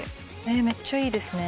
めっちゃいいですね。